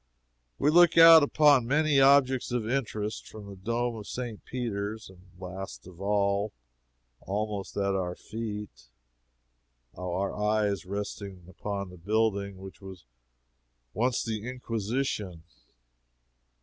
We look out upon many objects of interest from the dome of St. Peter's; and last of all, almost at our feet, our eyes rest upon the building which was once the Inquisition.